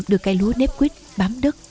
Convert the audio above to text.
được cây lúa nếp quyết bám đất